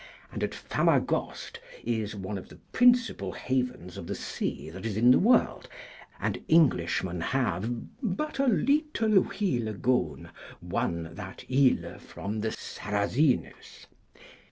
And at Famagost is one of the principal Havens of the sea that is in the world, and Englishmen have but a lytel while gone won that Yle from the Sarazynes.